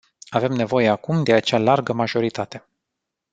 Avem nevoie acum de acea largă majoritate.